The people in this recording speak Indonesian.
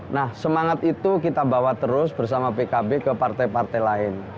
nah semangat itu kita bawa terus bersama pkb ke partai partai lain